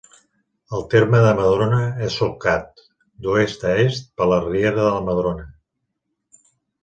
El terme de Madrona és solcat, d'oest a est per la Riera de Madrona.